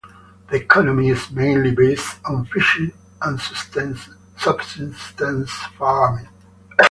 The economy is mainly based on fishing and subsistence farming.